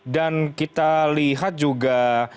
dan kita lihat juga